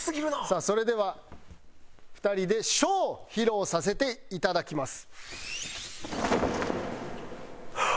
さあそれでは２人で書を披露させていただきます。